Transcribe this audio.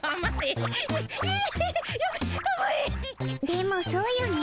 でもそうよね。